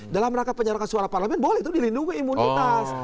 dalam rangka penyerangan suara parlamen boleh itu dilindungi imunitas